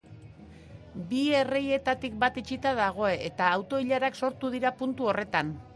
Bi erreietatik bat itxita dago eta auto-ilarak sortu dira puntu horretan.